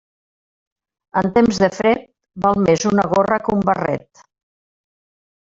En temps de fred, val més una gorra que un barret.